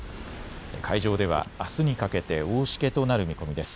海上ではあすにかけて大しけとなる見込みです。